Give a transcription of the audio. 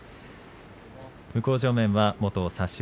向正面は元薩洲